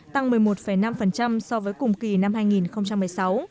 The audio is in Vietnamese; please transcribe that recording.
tăng một mươi một năm so với cùng kỳ năm hai nghìn một mươi sáu